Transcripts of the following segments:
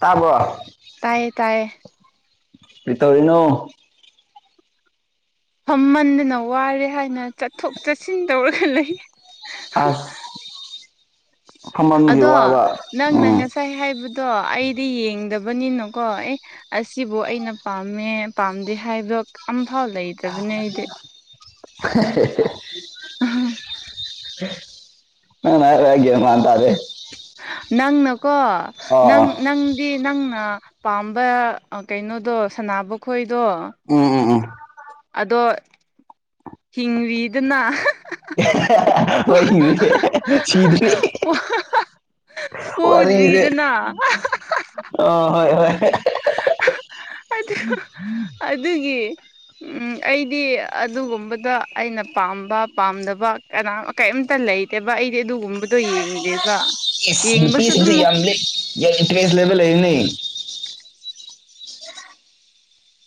ꯇꯥꯕꯔꫭ ꯇꯥꯏꯌꯦ ꯇꯥꯏꯌꯦ ꯀꯩ ꯇꯧꯔꯤꯅꯣ ꯐꯝꯍꯟꯗꯅ ꯋꯥꯔꯦ ꯍꯥꯏꯅ ꯆꯠꯊꯣꯛ ꯆꯠꯁꯤꯟ ꯇꯧꯔꯒ ꯂꯩ ꯑꯁ ꯐꯝꯃꯝꯕꯒꯤ ꯑꯗꯣ ꯋꯥꯕ ꯅꯪꯅ ꯎꯝ ꯉꯁꯥꯏ ꯍꯥꯏꯕꯗꯣ ꯑꯩꯗꯤ ꯌꯦꯡꯗꯕꯅꯤꯅꯀꯣ ꯑꯦ ꯑꯁꯤꯕꯨ ꯑꯩꯅ ꯄꯥꯝꯃꯦ ꯄꯥꯝꯗꯦ ꯍꯥꯏꯕꯗꫭ [inaudible] ꯅꯪꯅ ꯍꯥꯏꯗꫭ ꯑꯩ ꯒꯤꯌꯟ ꯃꯥꯥꯟ ꯇꯥꯗꯦ ꯅꯪꯅꯀꯣ ꯑꯣ ꯑꯣ ꯅꯪ ꯅꯪ ꯗꯤ ꯅꯪꯅ ꯄꯥꯝꯕ ꯀꯩꯅꯣꯗꯣ ꯁꯅꯕ ꯈꯣꯏꯗꯣ ꯎꯝ ꯎꯝ ꯎꯝ ꯑꯗꯣ ꯍꯤꯡꯔꯤꯗꯅ ꯍꫭꯏ ꯍꯤꯡꯉꯤ ꯁꯤꯗꯔꯤ ꯍꯨꯗ꯭ꯔꯤꯗꯅꯥ ꯑ ꯍꯣꯏ ꯍꯣꯏ ꯑꯗꯨ ꯑꯗꯨꯒꯤ ꯎꯝ ꯑꯩꯗꯤ ꯑꯗꯨꯒꯨꯝꯕꯗ ꯑꯩꯅ ꯄꯥꯝꯕ ꯄꯥꯝꯗꯕ ꯀꯅꯥ ꯀꯩꯝꯇ ꯂꯩꯇꯦꯕ ꯑꯩꯗꯤ ꯑꯗꯨꯒꯨꯝꯕꯗꯣ ꯌꯦꯡꯗꯦꯕ ꯏꯁ ꯌꯦꯡꯕꯁꯨ ꯅꯨꯄꯤꯁꯨ ꯑꯗꯨꯝ ꯌꯥꯝ ꯂꯤꯛ ꯌꯥꯝ ꯏꯟꯇꯔꯦꯁ ꯂꯩꯕ ꯂꯩꯔꯦꯅꯦ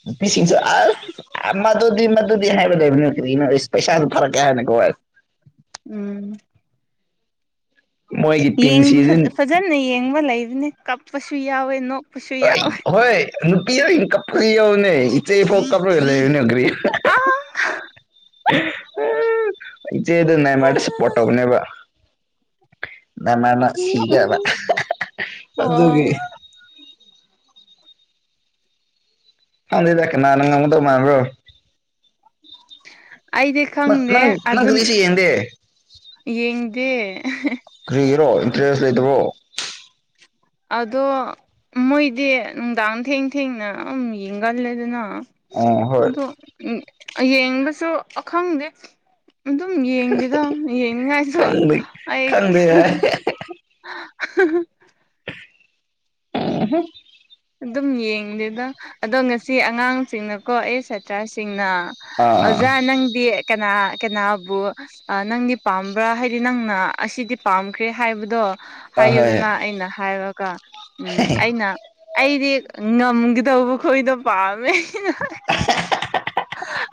ꯅꯨꯄꯤꯁꯤꯡꯁꯨ ꯑꯁ ꯃꯗꯨꯗꯤ ꯃꯗꯨꯗꯤ ꯍꯥꯏꯕ ꯂꯩꯕꯅꯦ ꯀꯔꯤꯅꯣ ꯏꯁ ꯄꯩꯁꯥꯗꯨ ꯊꯥꯔꯛꯀꯦ ꯍꯥꯏꯅꯀꫭ ꯎꯝ ꯃꯣꯏꯒꯤ ꯌꯦꯡꯕ ꯇꯤꯝꯁꯤꯗꯤ ꯐꯖꯅ ꯌꯦꯡꯕ ꯂꯩꯕꯅꯦ ꯀꯞꯄꯁꯨ ꯌꯥꯎꯋꯦ ꯅꯣꯛ ꯍꯣꯏ ꯅꯨꯄꯤ ꯌꯥ ꯀ ꯌꯥꯎ ꯅ ꯏꯆꯦ ꯐꯥꯎ ꯀꯄꯔ ꯂꯩꯕꯅꯦ ꯑ ꯏꯆꯦꯗꯨ ꯅꯦꯃꯥꯔ‌ꯗꯥ ꯁꯄꫭꯠ ꯇꯧꯕꯅꯦꯕ ꯅꯦꯃꯥꯔꯅ ꯁꯤꯒꯕ ꯅꯣꯛꯅꯤꯡꯉꯤ ꯑꯣ ꯑꯗꯨꯒꯤ ꯈꯪꯗꯦꯗ ꯀꯅꯥꯅ ꯉꯝꯒꯗꯧ ꯃꯥꯟꯕꯔꫭ ꯑꯩꯗꯤ ꯅꯪ ꯈꯪꯗꯦ ꯅꯪ ꯅꯪ ꯀꯔꯤꯁꯨ ꯑꯗꯨꯅ ꯌꯦꯡꯗꯦ ꯌꯦꯡꯗꯦ ꯀꯔꯤꯒꯤꯔꯣ ꯏꯟꯇꯔꯦꯁ ꯂꯩꯇꯕ꯭ꯔꯣ ꯑꯗꯣ ꯃꯣꯏꯗꯤ ꯅꯨꯡꯗꯥꯡ ꯊꯦꯡ ꯊꯦꯡꯅ ꯑꯗꯨꯝ ꯌꯦꯡꯒꯜꯂꯦ ꯑꯗꯨꯅ ꯑꯥ ꯍꯣꯏ ꯑꯗꯣ ꯌꯦꯡꯕꯁꯨ ꯑꯈꯪꯗꯦ ꯑꯗꯨꯝ ꯌꯦꯡꯗꯦꯗꯣ ꯌꯦꯡꯅꯤꯡꯉꯥꯏꯁꯨ ꯈꯪꯗꯦ ꯑꯩ ꯈꯪꯗꯦ ꯍꯥꯏ ꯑ ꯍꯥ ꯍ ꯎꯝ ꯍꯨꯝ ꯑꯗꯨꯝ ꯌꯦꯡꯗꯦꯗ ꯑꯗꯣ ꯉꯁꯤ ꯑꯉꯥꯡꯁꯤꯡꯅꯀꯣ ꯑꯦ ꯁꯥꯇ꯭ꯔꯁꯤꯡꯅ ꯑꯥ ꯑꯥ ꯑꯣꯖꯥ ꯅꯪꯗꯤ ꯀꯅꯥ ꯀꯅꯥꯕꯨ ꯑ ꯅꯪꯗꯤ ꯄꯥꯝꯕ꯭ꯔꯥ ꯍꯥꯏꯗꯤ ꯅꯪꯅ ꯑꯁꯤꯗꯤ ꯄꯥꯝꯈ꯭ꯔꯦ ꯍꯥꯏꯕꯗꯣ ꯑꯥ ꯍꯣꯏ ꯍꯥꯏꯌꯨꯗꯅ ꯑꯩꯅ ꯍꯥꯏꯔꯒ ꯎꯝ ꯑꯩꯅ ꯑꯩꯗꯤ ꯉꯝꯒꯗꯧꯕ ꯈꯣꯏꯗꯣ ꯄꯥꯝꯃꯦ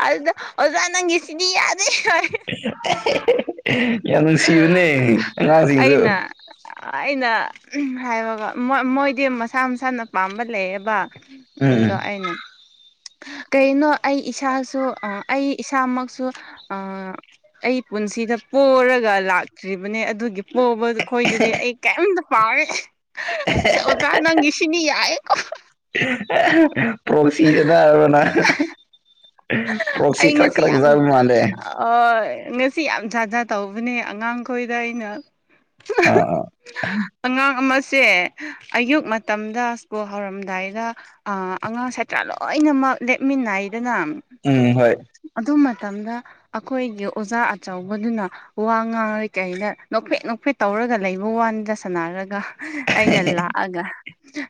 ꯑꯗꯨꯗ ꯑꯣꯖꯥ ꯅꯪ ꯁꯤꯗꯤ ꯌꯥꯗꯦ ꯌꯥꯝ ꯅꯨꯡꯁꯤꯕꯅꯦ ꯑꯉꯥꯡꯁꯤꯡꯁꯨ ꯑꯩꯅ ꯑꯩꯅ ꯍꯥꯏꯕꯒ ꯃꯣꯏꯗꯤ ꯃꯁꯥ ꯃꯁꯥꯅ ꯄꯥꯝꯕ ꯂꯩꯌꯦꯕ ꯑꯗ ꯎꯝ ꯑꯩꯅ ꯀꯩꯅꯣ ꯑꯩ ꯏꯁꯥꯁꯨ ꯑꯩ ꯏꯁꯥꯃꯛꯁꯨ ꯑ ꯑꯩ ꯄꯨꯟꯁꯤꯗ ꯄꯣꯔꯒ ꯑꯗꯨꯒ ꯂꯥꯛꯇ꯭ꯔꯤꯕꯅꯦ ꯑꯗꯨꯒꯤ ꯄꯣꯕ ꯈꯣꯏꯗꯨꯗꯤ ꯑꯩ ꯀꯩꯝꯇ ꯄꯥꯔꯦ ꯑꯍꯦ ꯍꯦ ꯉ ꯅꯪꯒꯤꯁꯤꯅꯤ ꯌꯥꯏꯌꯦ ꯀꯣ ꯄ꯭ꯔꯣꯁꯤ ꯁꯥꯅꯔ ꯅꯪ ꯄ꯭ꯔꯣꯁꯤ ꯑꯩ ꯀ꯭ꯔꯛ ꯉꯁꯤ ꯌꯥꯝ ꯀ꯭ꯔꯛꯖ ꯃꯥꯂꯦ ꯉꯁꯤ ꯌꯥꯝ ꯖꯥꯠ ꯖꯥꯠ ꯇꯧꯕꯅꯦ ꯑꯉꯥꯡꯈꯣꯏꯗ ꯑꯩꯅ ꯑꯥ ꯑꯥ ꯑꯉꯥꯡ ꯑꯃꯁꯦ ꯑꯌꯨꯛ ꯃꯇꯝꯗ ꯁ꯭ꯀꯨꯜ ꯍꯧꯔꯝꯗꯥꯏꯗ ꯑꯉꯥꯡ ꯁꯥꯠꯇ꯭ꯔꯥ ꯂꯣꯏꯅꯃꯛ ꯂꯦꯞꯃꯤꯟꯅꯩꯗꯅ ꯎꯝ ꯍꯣꯏ ꯑꯗꯨ ꯃꯇꯝꯗ ꯑꯩꯈꯣꯏꯒꯤ ꯑꯣꯖꯥ ꯑꯆꯧꯕꯗꯨꯅ ꯋꯥ ꯉꯥꯡꯔꯔꯤ ꯀꯩꯩꯅ ꯅꯣꯛꯐꯦꯠ ꯅꯣꯛꯐꯦꯠ ꯇꯧꯔꯒ ꯂꯩꯕ ꯋꯥꯟꯗ ꯁꯥꯟꯅꯔꯒ ꯑꯩꯅ ꯂꯥꯛꯑꯒ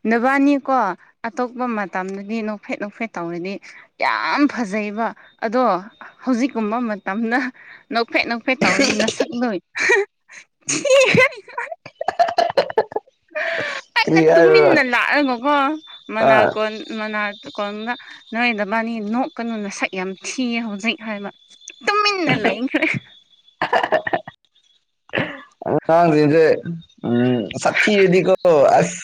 ꯅꯨꯕꯥꯅꯤꯀꯣ ꯑꯇꯣꯞꯄ ꯃꯇꯝꯗꯗꯤ ꯅꯣꯡꯐꯦꯠ ꯅꯣꯡꯐꯦꯠ ꯇꯧꯔꯗꯤ ꯌꯥꯝ ꯐꯖꯩꯕ ꯑꯗꯣ ꯍꯧꯖꯤꯛꯀꯨꯝꯕ ꯃꯇꯝꯗ ꯅꯧꯐꯦꯠ ꯅꯧꯐꯦꯠ ꯇꯧꯔꯤ ꯅꯁꯛ ꯗꯣ ꯊꯤꯍꯦ ꯑꯩꯅ ꯀꯔꯤ ꯍꯥꯏꯕ꯭ꯔꯣ ꯇꯨꯃꯤꯟꯅ ꯂꯥꯛꯑꯅꯨꯀꯣ ꯑꯥ ꯃꯅꯥꯀꯣꯟ ꯃꯅꯥꯀꯗ ꯅꯣꯏꯗ ꯃꯥꯅꯤ ꯅꯣꯛꯀꯅꯨꯅ ꯁꯛ ꯌꯥꯝ ꯊꯤꯌꯦ ꯍꯧꯖꯤꯛ ꯍꯥꯏꯕ ꯇꯨꯃꯤꯟꯅ ꯂꯩꯈ꯭ꯔꯦ ꯑꯍꯥ ꯍ ꯍ ꯗꯦ ꯎꯝ ꯁꯛꯊꯤꯕꯗꯤ ꯀꯣ ꯑꯁ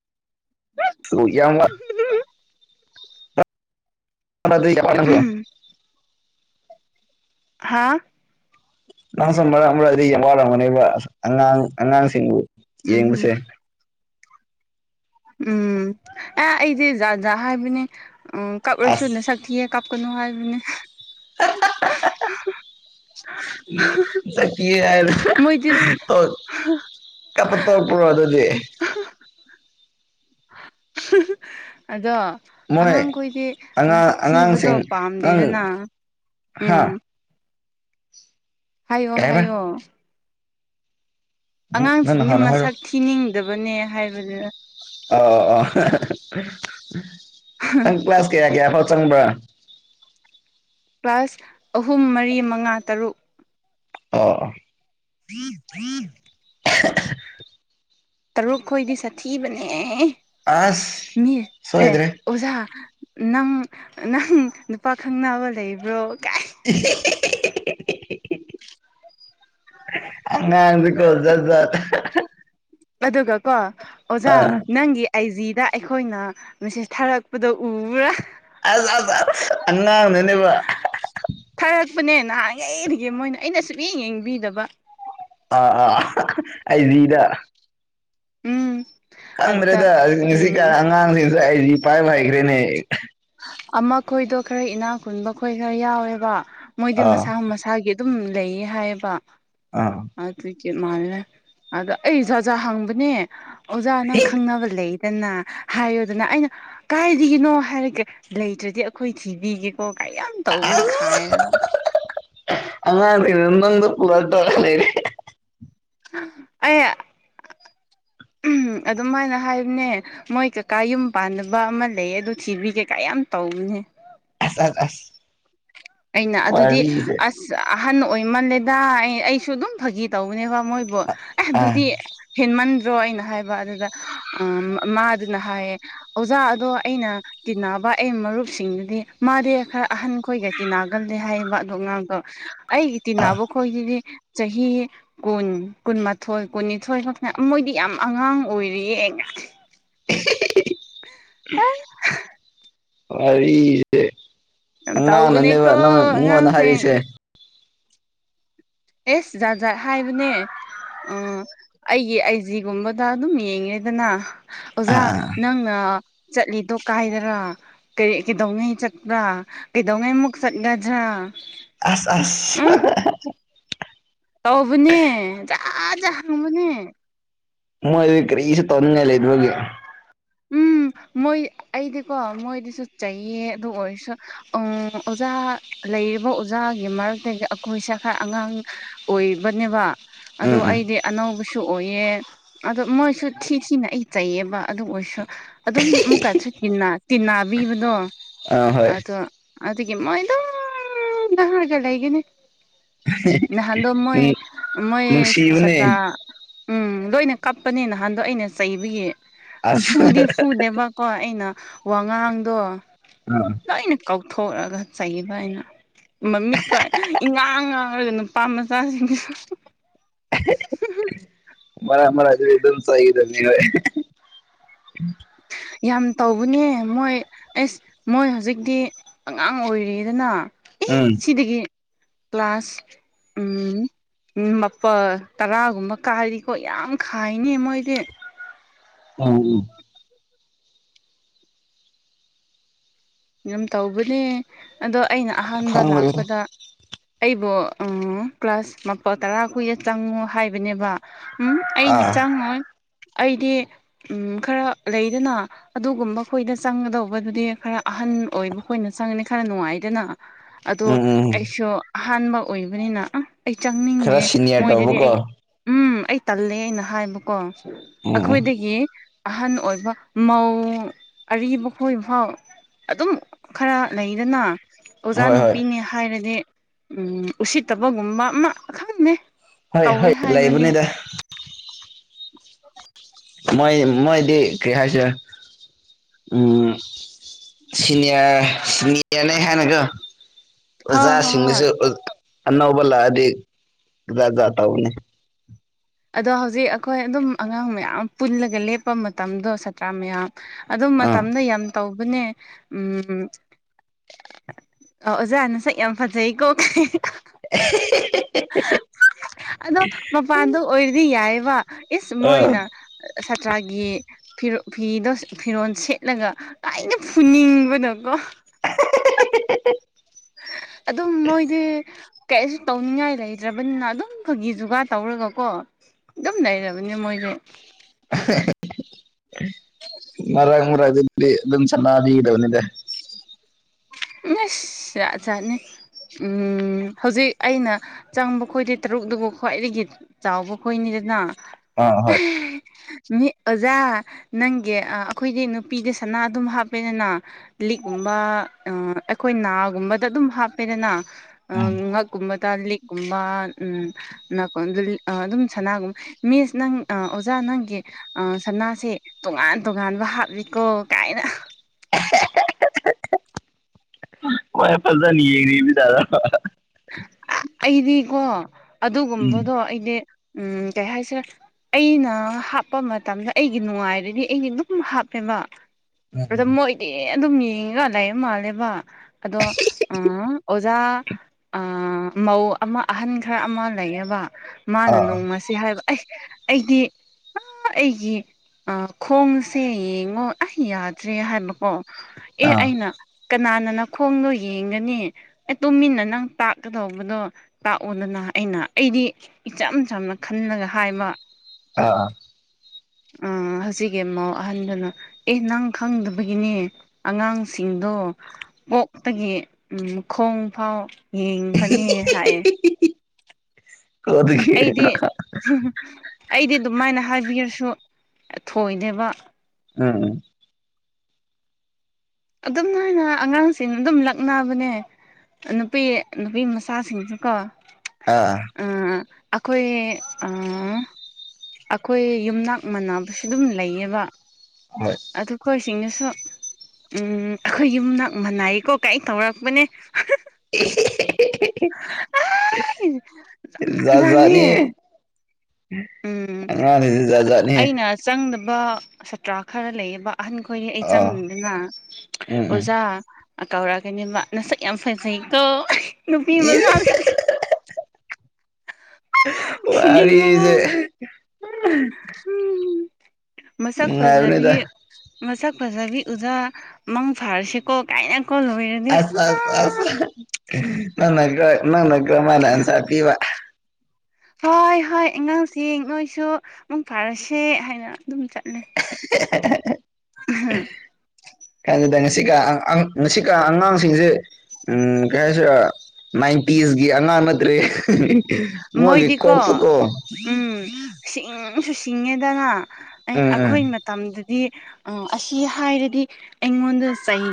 ꯁꯨ ꯌꯥꯝꯃꯛ ꯑꯃꯗꯩ ꯍꯣꯠꯅꯗ꯭ꯔꯣ ꯍꯥꯥ ꯅꯁ ꯃꯔꯛ ꯃꯔꯗꯤ ꯌꯥꯝ ꯋꯥꯔꯝꯒꯅꯦꯕ ꯑ ꯑꯉꯥꯡ ꯑꯉꯥꯡꯁꯤꯡꯕꯨ ꯎꯝ ꯌꯦꯡꯕꯁꯦ ꯎꯝ ꯑꯦ ꯑꯩꯗꯤ ꯖꯥ ꯖꯥ ꯍꯥꯏꯕꯅꯤ ꯎ ꯀꯞꯂꯁꯨ ꯅ ꯑꯁ ꯁꯛ ꯊꯤꯌꯦ ꯀꯥꯞꯀꯅꯨ ꯍꯥꯏꯕꯅꯦ ꯎꯝ ꯆꯠ ꯌꯥ ꯃꯣꯏꯗꯤ ꯀꯥ ꯄꯠꯇ ꯄꯨꯔꯣ ꯑꯗꯨꯗꯤ ꯑꯗꯣ ꯃꯣꯏ ꯑꯉꯥꯡꯈꯣꯏꯗꯤ ꯑꯉꯥꯡ ꯃꯁꯛ ꯊꯤꯕꯗꯣ ꯑꯉꯥꯡꯁꯤꯡ ꯅꯪ ꯄꯥꯝꯗꯦꯗꯅ ꯍꯥ ꯎꯝ ꯍꯥꯏꯌꯣ ꯀꯩ ꯍꯥꯏꯕ ꯍꯥꯏꯌꯣ ꯎꯝ ꯅꯪꯅ ꯑꯉꯥꯡꯁꯤꯡꯗꯤ ꯍꯥꯟꯅ ꯍꯥꯏꯔꯣ ꯃꯁꯛ ꯊꯤꯅꯤꯡꯗꯕꯅꯦ ꯍꯥꯏꯕꯗꯨ ꯑ ꯑꯣ ꯅꯪ ꯀ꯭ꯂꯥꯁ ꯀꯌꯥ ꯀꯌꯥ ꯍꯣ ꯆꯪꯕ꯭ꯔꯥ ꯀ꯭ꯂꯥꯁ ꯑꯍꯨꯝ ꯃꯔꯤ ꯃꯉꯥ ꯇꯔꯨꯛ ꯑꯣ ꯎ ꯎ [unintelligible] ꯇꯔꯨꯛꯈꯣꯏꯗꯤ ꯁꯥꯊꯤꯕꯅꯦ ꯑꯁ ꯃꯤ ꯑꯦ ꯁꯣꯏꯗ꯭ꯔꯦ ꯑꯣꯖꯥ ꯅꯪ ꯅꯪ ꯅꯨꯄꯥ ꯈꯪꯅꯕ ꯂꯩꯕ꯭ꯔꯣ ꯀ ꯎ ꯑꯉꯥꯡꯗꯤ ꯀ ꯆ ꯆ ꯑꯗꯨꯒ ꯀꯣ ꯑꯣꯖꯥ ꯑꯥ ꯅꯪꯒꯤ ꯑꯥꯏ ꯖꯤꯗ ꯑꯩꯈꯣꯏꯅ ꯃꯦꯁꯦꯁ ꯊꯥꯔꯛꯄꯗ ꯎꯕ꯭ꯔꯥ ꯑꯁ ꯑꯁ ꯑꯉꯥꯡ ꯅꯅꯦꯕ ꯊꯥꯔꯛꯄꯅꯦ ꯅꯍꯥꯟꯉꯩꯗꯒꯤ ꯃꯣꯏꯅ ꯑꯩꯅ ꯁꯨ ꯌꯦꯡ ꯌꯦꯡꯕꯤꯗꯕ ꯑꯥ ꯑꯥ ꯑꯩꯖꯤꯗ ꯎꯝ ꯈꯪꯗ꯭ꯔꯦꯗ ꯑꯗ ꯉꯁꯤ ꯀ ꯎꯝ ꯑꯉꯥꯡꯁꯤꯡꯁ ꯑꯩꯗꯤ ꯏ ꯄꯥꯏꯕ ꯍꯩꯈ꯭ꯔꯦꯅꯦ ꯑꯃ ꯈꯣꯏꯗꯣ ꯈꯔ ꯏꯅꯥ ꯈꯨꯨꯟꯕ ꯈꯣꯏ ꯈꯔ ꯌꯥꯎꯋꯦꯕ ꯃꯣꯏꯗꯤ ꯑꯥ ꯃꯁꯥ ꯃꯁꯥꯒꯤ ꯑꯗꯨꯝ ꯂꯩꯌꯦ ꯍꯥꯏꯕ ꯑꯥ ꯑꯗꯨꯒꯤ ꯃꯥꯜꯂꯂꯦ ꯑꯗꯣ ꯑꯩꯁꯦ ꯑꯣꯖꯥ ꯍꯪꯕꯅꯦ ꯑꯣꯖꯥ ꯅꯪ ꯈꯪꯅꯕ ꯂꯩ ꯗꯅ ꯍꯥꯏꯌꯣꯗꯅ ꯑꯩꯅ ꯀꯥꯏꯗꯒꯤꯅꯣ ꯍꯥꯏꯔꯒ ꯂꯩꯇ꯭ꯔꯗꯤ ꯑꯩꯈꯣꯏ ꯊꯤꯕꯤꯒꯦꯀꯣ ꯀ ꯌꯥꯝ ꯇꯧꯅꯤ ꯈꯥꯏꯔꯒ ꯑꯉꯥꯡ ꯑꯣꯏꯅꯥ ꯃꯡꯗꯥ ꯎꯔꯛꯇꯧꯔꯥ ꯂꯩꯔꯦ ꯑꯩ ꯑꯗꯨꯝꯥꯏꯅ ꯍꯥꯏꯕꯅꯦ ꯃꯣꯏ ꯀꯩꯀꯥ ꯌꯨꯝ ꯄꯥꯟꯅꯕ ꯑꯃ ꯂꯩ ꯑꯗꯨ ꯊꯤꯕꯤ ꯀꯩꯀꯥ ꯌꯥꯝ ꯇꯧꯅꯦ ꯑ ꯑ ꯑꯁ ꯑꯩꯅ ꯑꯗꯨꯗꯤ ꯋꯥꯔꯤꯁꯦ ꯑꯁ ꯑꯍꯟ ꯑꯣꯏꯃꯜꯂꯦꯗ ꯑꯩ ꯑꯩꯁꯨ ꯑꯗꯨꯝ ꯐꯥꯒꯤ ꯇꯧꯕꯅꯦꯕ ꯃꯣꯏ ꯑꯗꯨꯣ ꯑꯦ ꯑꯥ ꯑꯗꯨꯗꯤ ꯍꯦꯟꯃꯟꯗ꯭ꯔꯣ ꯑꯩꯅ ꯍꯥꯏꯕ ꯑꯗꯨꯗ ꯑꯝ ꯃꯥꯗꯨ ꯅ ꯍꯥꯏꯌꯦ ꯑꯣꯖꯥ ꯑꯗꯣ ꯑꯩꯅ ꯇꯤꯟꯅꯕ ꯑꯩ ꯃꯔꯨꯞꯁꯤꯡꯗꯨꯗꯤ ꯃꯥꯗꯤ ꯈꯔ ꯑꯍꯟ ꯈꯣꯏꯒ ꯇꯤꯅꯥꯒꯜꯂꯦ ꯍꯥꯏꯌꯦꯕ ꯑꯗꯣ ꯑꯉꯥꯡꯗꯣ ꯑꯩꯒꯤ ꯑꯥ ꯇꯤꯟꯅꯕ ꯈꯣꯏꯒꯤꯗꯤ ꯆꯍꯤ ꯀꯨꯟ ꯀꯨꯟꯃꯥꯊꯣꯏ ꯀꯨꯟꯅꯤꯊꯣꯏ ꯐꯛ ꯃꯣꯏꯗꯤ ꯌꯥꯝ ꯑꯉꯥꯡ ꯑꯣꯏꯔꯤꯌꯦ ꯋꯥꯔꯤꯁꯦ ꯌꯥꯝ ꯇꯧꯕꯅꯦꯀꯣ ꯑꯉꯥꯡꯅꯅꯦꯕ ꯅꯪ ꯃꯤꯉꯣꯟꯗ ꯑꯉꯥꯡꯁꯤꯡ ꯍꯥꯏꯔꯤꯁꯦ ꯑꯦꯁ ꯖꯥꯠ ꯖꯥꯠ ꯍꯥꯏꯕꯅꯦ ꯑꯣ ꯑꯩꯒꯤ ꯑꯥꯏꯖꯤꯒꯨꯝꯕꯗ ꯑꯗꯨꯝ ꯌꯦꯡꯉꯦꯗꯅ ꯑꯣꯖꯥ ꯑꯥ ꯑꯥ ꯅꯪꯅ ꯆꯠꯂꯤꯗꯣ ꯀꯥꯏꯗꯔꯥ ꯀ ꯀꯩꯗꯧꯉꯩ ꯆꯠꯄ꯭ꯔꯥ ꯀꯩꯗꯧꯉꯩꯃꯨꯛ ꯆꯠꯒꯗ꯭ꯔꯥ ꯑꯁ ꯑꯁ ꯎꯝ ꯇꯧꯕꯅꯦ ꯖꯥ ꯖꯥ ꯍꯪꯕꯅꯦ ꯃꯣꯏ ꯑꯗꯨ ꯀꯔꯤꯁꯨ ꯇꯧꯅꯤꯡꯉꯥꯏ ꯂꯩꯇꯕꯒꯤ ꯎꯝ ꯃꯣꯏ ꯑꯩꯗꯤꯀꯣ ꯃꯣꯏꯗꯤꯁꯨ ꯆꯩꯌꯦ ꯑꯗꯨ ꯑꯣꯏꯔꯁꯨ ꯎꯝ ꯑꯣꯖꯥ ꯂꯩꯔꯤꯕ ꯑꯣꯖꯥꯒꯤ ꯃꯔꯛꯇꯒꯤ ꯑꯩꯈꯣꯏꯁꯦ ꯈꯔ ꯑꯉꯥꯡ ꯑꯣꯏꯕꯅꯦꯕ ꯑꯗꯣ ꯎꯝ ꯎꯝ ꯑꯩꯗꯤ ꯑꯅꯧꯕꯁꯨ ꯑꯣꯏꯌꯦ ꯑꯗꯣ ꯃꯣꯏꯁꯨ ꯊꯤ ꯊꯤꯅ ꯑꯩ ꯆꯩꯩꯌꯦꯕ ꯑꯗꯨ ꯑꯣꯏꯔꯁꯨ ꯑꯗꯨꯝ ꯑꯃꯨꯛꯀꯁꯨ ꯇꯤꯟꯅꯕꯤꯕꯗꯣ ꯑꯥ ꯍꯣꯏ ꯑꯗꯣ ꯑꯗꯨꯗꯒꯤ ꯃꯣꯏ ꯑꯗꯨꯝ ꯗꯍꯥꯔꯒ ꯂꯩꯒꯅꯤ ꯅꯍꯥꯟꯗ ꯃꯣꯏ ꯎꯝ ꯃꯣꯏ ꯅꯨꯡꯁꯤꯕꯅꯦ ꯁꯥꯇ꯭ꯔ ꯎꯝ ꯂꯣꯏꯅ ꯀꯞꯄꯅꯦ ꯅꯍꯥꯟꯗꯣ ꯑꯩꯅ ꯆꯩꯕꯒꯤ ꯑꯁ ꯐꯨꯗꯤ ꯐꯨꯗꯦꯕꯀꯣ ꯑꯩꯅ ꯋꯥꯉꯥꯡꯗꯣ ꯑꯥ ꯂꯣꯏꯅ ꯀꯧꯊꯣꯛꯑꯒ ꯆꯩꯕ ꯑꯅ ꯃꯃꯤꯠꯀ ꯏꯉꯥꯡ ꯑꯗꯨꯒꯔ ꯅꯨꯄꯥ ꯃꯆꯥꯁꯤꯡꯁꯨ ꯃꯔꯛ ꯃꯔꯛꯇꯗꯤ ꯑꯗꯨꯝ ꯆꯩꯔꯕꯅꯤ ꯍꯣꯏ ꯌꯥꯝ ꯇꯧꯕꯅꯦ ꯃꯣꯏ ꯑꯦꯁ ꯃꯣꯏ ꯍꯧꯖꯤꯛꯇꯤ ꯑꯉꯥꯡ ꯑꯣꯏꯔꯤꯗꯅ ꯎꯝ ꯑꯩꯗꯒꯤ ꯀ꯭ꯂꯥꯁ ꯃꯥꯄꯜ ꯇꯔꯥꯒꯨꯝꯕ ꯀꯥꯏꯔꯤꯀꯣ ꯌꯥꯝ ꯈꯥꯏꯅꯤ ꯃꯣꯏꯗꯤ ꯎꯝ ꯎꯝ ꯑꯗꯨꯝ ꯇꯧꯕꯅꯦ ꯑꯗꯣ ꯑꯩꯅ ꯑꯍꯥꯟꯕ ꯈꯪꯕꯅꯤꯗ ꯂꯥꯛꯄꯗ ꯑꯩꯕꯨ ꯀ꯭ꯂꯥꯁ ꯃꯥꯄꯜ ꯇꯔꯥ ꯈꯣꯏꯗ ꯆꯪꯉꯣ ꯍꯥꯏꯕꯅꯦꯕ ꯎꯝ ꯑꯩꯅ ꯑꯥ ꯆꯪꯉꯣꯏ ꯑꯩꯗꯤ ꯎꯝ ꯈꯔ ꯂꯩꯗꯅ ꯑꯗꯨꯒꯨꯝꯕ ꯈꯣꯏꯗ ꯆꯪꯒꯗꯧꯕꯗꯨꯗꯤ ꯈꯔ ꯑꯍꯟ ꯑꯣꯏꯕꯈꯣꯏꯅ ꯆꯪꯉꯗꯤ ꯈꯔ ꯅꯨꯡꯉꯥꯏꯗꯅ ꯑꯗꯣ ꯎꯝ ꯎꯝ ꯑꯩꯁꯨ ꯑꯍꯥꯟꯕ ꯑꯣꯏꯕꯅꯤꯅ ꯑꯩ ꯆꯪꯅꯤꯡꯗꯦ ꯈꯔ ꯁꯤꯅꯤꯌꯔ ꯃꯣꯏꯗꯗꯤ ꯇꯧꯕꯀꯣ ꯑꯩ ꯎꯝ ꯑꯩ ꯇꯜꯂꯦꯅ ꯑꯩꯅ ꯍꯥꯏꯕꯀꯣ ꯎꯝ ꯎꯝ ꯑꯩꯈꯣꯏꯗꯒꯤ ꯑꯍꯟ ꯑꯣꯏꯕ ꯃꯧ ꯑꯔꯤꯕ ꯈꯣꯏꯕ ꯐꯥꯎ ꯑꯗꯨꯝ ꯈꯔ ꯂꯩꯗꯅ ꯑꯣꯖꯥ ꯍꯣꯏ ꯍꯣꯏ ꯅꯨꯄꯤꯅꯦ ꯍꯥꯏꯔꯗꯤ ꯎꯁꯤꯠꯇꯕꯒꯨꯝꯕ ꯑꯃ ꯈꯪꯗꯦ ꯍꯣꯏ ꯇꯧꯋꯦ ꯍꯣꯏ ꯍꯥꯏꯕꯅꯦ ꯂꯩꯕꯅꯤꯗ [inaudible] ꯃꯣꯏ ꯃꯣꯏꯗꯤ ꯀꯩ ꯍꯥꯏꯁꯤꯔ ꯎꯝ ꯁꯤꯅꯤꯌꯥ ꯁꯤꯅꯤꯌꯥꯅꯦ ꯍꯥꯏꯅꯒꯣ ꯍꯣꯏ ꯍꯣꯏ ꯍꯣꯏ ꯑꯣꯖꯥꯁꯤꯡꯁꯨ ꯑꯅꯧꯕ ꯂꯥꯛꯑꯗꯤ ꯖꯥꯠ ꯖꯥꯠ ꯇꯧꯕꯅꯦ ꯑꯗꯣ ꯍꯧꯖꯤꯛ ꯑꯩꯈꯣꯏ ꯑꯗꯨꯝ ꯑꯉꯥꯡ ꯃꯌꯥꯝ ꯄꯨꯜꯂꯒ ꯂꯦꯞꯄ ꯃꯇꯝꯗꯣ ꯁꯥꯇ꯭ꯔꯥ ꯃꯌꯥꯝ ꯑꯗꯨ ꯑꯥ ꯃꯇꯝꯗ ꯌꯥꯝ ꯇꯧꯕꯅꯦ ꯎꯝ ꯑꯥ ꯑꯣꯖꯥ ꯅꯁꯛ ꯌꯥꯝ ꯐꯖꯩꯀꯣ [unintelligible] ꯑꯗꯣ ꯃꯄꯥꯟꯗꯣ ꯑꯣꯏꯔꯗꯤ ꯌꯥꯏꯕ ꯏꯁ ꯑꯥ ꯃꯣꯏꯅ ꯁꯥꯇ꯭ꯔꯥꯒꯤ ꯐꯤꯔꯣꯟ ꯐꯤꯗꯣ ꯐꯤꯔꯣꯟꯜ ꯁꯦꯠꯂꯒ ꯂꯥꯏꯅ ꯐꯨꯅꯤꯡꯕꯅꯀꯣ ꯑꯗꯨꯝ ꯃꯣꯏꯗꯤ ꯀꯩꯁꯨ ꯇꯧꯅꯤꯡꯉꯥꯏ ꯂꯩꯇ꯭ꯔꯕꯅꯤꯅ ꯑꯗꯨꯝ ꯐꯥꯒꯤ ꯖꯨꯒꯥ ꯇꯧꯔꯒꯀꯣ ꯑꯗꯨꯝ ꯂꯩꯔꯕꯅꯤ ꯃꯣꯏꯗꯤ ꯃꯔꯥꯛ ꯃꯔꯥꯛꯇꯗꯤ ꯑꯗꯨꯝ ꯁꯅꯥꯕꯤꯒꯗꯕꯅꯤꯗ ꯃꯤꯁ ꯖꯥꯠ ꯖꯥꯠꯅꯤ ꯎꯝ ꯍꯧꯖꯤꯛ ꯑꯩꯅ ꯆꯪꯕ ꯈꯣꯏꯗꯩ ꯇꯔꯨꯛꯇꯨꯕꯨ ꯈ꯭ꯋꯥꯏꯗꯒꯤ ꯆꯥꯎꯕ ꯈꯣꯏꯅꯤꯗꯅ ꯑꯥ ꯍꯣꯏ ꯃꯤ ꯑꯣꯖꯥ ꯅꯪꯒꯤ ꯑꯩꯈꯣꯏꯗꯤ ꯅꯨꯄꯤꯗꯤ ꯁꯅꯥ ꯑꯗꯨꯝ ꯍꯥꯞꯄꯦꯗꯅ ꯂꯤꯛꯀꯨꯝꯕ ꯑꯩꯈꯣꯏ ꯅꯥꯒꯨꯝꯕꯗ ꯑꯗꯨꯝ ꯍꯥꯞꯄꯦꯗꯅ ꯎꯝ ꯉꯛꯀꯨꯝꯕꯗ ꯂꯤꯛ ꯒꯨꯝꯕ ꯎꯝ ꯅꯀꯣ ꯑꯗꯨꯝ ꯁꯅꯥꯒꯨꯝꯕ ꯃꯤꯁ ꯅꯪ ꯑꯣꯖꯥ ꯅꯪꯒꯤ ꯑꯥ ꯁꯅꯥꯁꯦ ꯇꯣꯉꯥꯟ ꯇꯣꯉꯥꯟꯕ ꯍꯥꯞꯂꯤꯀꯣ ꯀꯥꯏꯅ [unintelligible] ꯃꯣꯏ ꯐꯖꯅ ꯌꯦꯡꯉꯤꯁꯥꯔꯣ ꯑꯩꯗꯤꯀꯣ ꯎꯝ ꯑꯗꯨꯒꯨꯝꯕꯗꯣ ꯑꯩꯗꯤ ꯎꯝ ꯀꯩ ꯍꯥꯏꯁꯤꯔꯥ ꯑꯩꯅ ꯍꯥꯞꯄ ꯃꯇꯝꯗ ꯑꯩꯒꯤ ꯅꯨꯡꯉꯥꯏꯔꯗꯤ ꯑꯩꯗꯤ ꯑꯗꯨꯝ ꯍꯥꯞꯄꯦꯕ ꯎꯝ ꯑꯗ ꯎꯝ ꯃꯣꯏ ꯗꯤ ꯑꯗꯨꯝ ꯌꯦꯡꯉꯒ ꯂꯥꯏꯌꯦ ꯃꯥꯜꯂꯦꯕ ꯑꯗꯣ ꯎꯝ ꯑꯣꯖꯥ ꯃꯧ ꯑꯃ ꯑꯍꯟ ꯈꯔ ꯑꯃ ꯂꯩꯌꯦꯕ ꯃꯥꯅ ꯑꯥ ꯅꯣꯡꯃ ꯁꯤ ꯍꯥꯏꯕ ꯑꯩ ꯑꯩꯗꯤ ꯑ ꯑꯩꯒꯤ ꯈꯣꯡꯁꯦ ꯌꯦꯡꯉꯣ ꯑꯩꯁ ꯌꯥꯗ꯭ꯔꯦ ꯍꯥꯏꯕꯀꯣ ꯑꯦ ꯑꯥ ꯑꯩꯅ ꯀꯅꯥꯅ ꯅꯈꯣꯡꯗꯣ ꯌꯦꯡꯒꯅꯤ ꯑꯦ ꯇꯨꯃꯤꯟꯅ ꯅꯪ ꯇꯥꯛꯀꯗꯧꯕꯗꯣ ꯇꯥꯛꯑꯣꯗꯅ ꯑꯩꯅ ꯑꯩꯗꯤ ꯏꯆꯝ ꯆꯝꯅ ꯈꯜꯂꯒ ꯍꯥꯏꯕ ꯑ ꯑ ꯍꯧꯖꯤꯛꯒꯤ ꯃꯧ ꯑꯍꯟꯗꯨꯅ ꯑꯦ ꯅꯪ ꯈꯪꯗꯕꯒꯤꯅꯦ ꯑꯉꯥꯡꯁꯤꯡꯗꯣ ꯃꯀꯣꯛꯇꯒꯤ ꯃꯈꯣꯡ ꯐꯥꯎ ꯌꯦꯡꯕꯅꯤ ꯍꯥꯏꯑꯦ ꯑꯩꯗꯤ ꯀꯔꯤꯒꯤꯅ ꯑꯩꯗꯤ ꯑꯗꯨꯃꯥꯏꯅ ꯍꯥꯏꯕꯤꯔꯁꯨ ꯊꯣꯏꯗꯦꯕ ꯎꯝ ꯑꯗꯨꯝ ꯅ ꯑꯉꯥꯡꯁꯤꯡ ꯑꯗꯨꯝ ꯂꯛꯅꯕꯅꯦ ꯅꯨꯄꯤ ꯅꯨꯄꯤ ꯃꯆꯥꯁꯤꯡꯁꯨꯀꯣ ꯑꯥ ꯑꯩꯈꯣꯏ ꯑꯩꯈꯣꯏ ꯌꯨꯝꯅꯥꯛ ꯃꯥꯟꯅꯕꯁꯨ ꯑꯗꯨꯝ ꯂꯩꯌꯦꯕ ꯍꯣꯏ ꯑꯗꯨ ꯑꯩꯈꯣꯏꯁꯤꯡꯅꯁꯨ ꯎꯝ ꯑꯩꯈꯣꯏ ꯌꯨꯝꯅꯥꯛ ꯃꯅꯥꯏꯀꯣ ꯀꯥꯏ ꯇꯧꯔꯛꯄꯅꯦ ꯏ ꯏ ꯖꯥꯠ ꯖꯥꯠ ꯅꯦ ꯅꯍꯥꯟꯅꯦ ꯎꯝ ꯑꯉꯥꯡꯖꯤꯗꯤ ꯖꯥꯠ ꯖꯥꯠꯅꯤꯍꯦ ꯑꯩꯅ ꯆꯪꯗꯕ ꯁꯥꯇ꯭ꯔꯥ ꯈꯔ ꯂꯩꯌꯦꯕ ꯑꯍꯟꯈꯣꯏꯒꯤ ꯑꯩ ꯑꯥ ꯆꯪꯗꯦꯅ ꯎꯝ ꯎꯝ ꯑꯣꯖꯥ ꯀꯧꯔꯛꯑꯒꯅꯦ ꯃꯥ ꯅꯁꯛ ꯌꯥꯝ ꯐꯖꯩꯗꯣ ꯅꯨꯄꯤ ꯃꯆꯥꯁꯤꯡ ꯋꯥꯔꯤꯁꯦ ꯎ ꯃꯁꯛ ꯐꯖꯕꯤ ꯅꯨꯡꯉꯥꯏꯕꯅꯤꯗ ꯃꯁꯛ ꯐꯖꯕꯤ ꯎꯖꯥ ꯃꯪ ꯐꯥꯔꯁꯤꯀꯣ ꯀꯥꯏꯅꯀꯣ ꯂꯣꯏꯔ ꯑꯁ ꯑꯁ ꯑꯁ ꯅꯪꯅ ꯅꯪꯅ ꯀ꯭ꯔꯝ ꯃꯥꯥꯏꯅ ꯑꯟꯁꯥꯔ ꯄꯤꯕ ꯍꯣꯏ ꯍꯣꯏ ꯑꯉꯥꯡꯁꯤ ꯅꯣꯏꯁꯨ ꯑꯃꯨꯛ ꯐꯥꯔꯁꯦ ꯍꯥꯏꯅ ꯑꯗꯨꯝ ꯆꯠꯂꯦ [inaudible] ꯑꯍꯝ ꯈꯪꯗꯦꯗ ꯉꯁꯤꯀꯥꯟ ꯉꯁꯤꯀꯥꯟ ꯑꯉꯥꯡꯁꯤꯡꯁꯦ ꯎꯝ ꯑꯩꯈꯣꯏꯁꯨ ꯅꯥꯏꯟꯇꯤꯁꯀꯤ ꯑꯉꯥꯡ ꯅꯠꯇ꯭ꯔꯦ ꯃꯣꯏꯒꯤ ꯀꯣꯛ ꯇꯣ ꯃꯣꯏꯗꯤꯀꯣ ꯀꯣ ꯎꯝ ꯁꯤꯡꯁꯨ ꯁꯤꯡꯉꯦꯗꯅ ꯎꯝ ꯎꯝ ꯑꯩꯈꯣꯏ ꯃꯇꯝꯗꯗꯤ ꯑꯁꯤ ꯍꯥꯏꯔꯗꯤ ꯑꯩꯉꯣꯟꯗ ꯆꯩ